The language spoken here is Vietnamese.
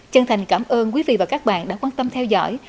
chân thành cảm ơn quý vị và các bạn đã quan tâm theo dõi